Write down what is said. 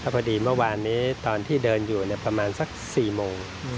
พอดีเมื่อวานนี้ตอนที่เดินอยู่ประมาณสัก๔โมง